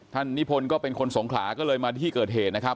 นิพนธ์ก็เป็นคนสงขลาก็เลยมาที่เกิดเหตุนะครับ